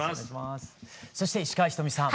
そして石川ひとみさん